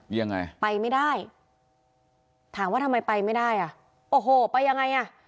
ยังไงไปไม่ได้ถามว่าทำไมไปไม่ได้อ่ะโอ้โหไปยังไงอ่ะ